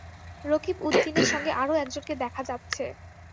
রকিবউদিনের সঙ্গে আরো একজনকে দেখা যাচ্ছে।